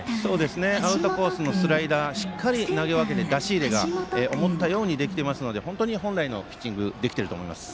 アウトコースのスライダーしっかり投げ分けて、出し入れが思ったようにできていますので本来のピッチングができていると思います。